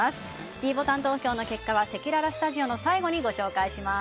ｄボタン投票の結果はせきららスタジオの最後にご紹介します。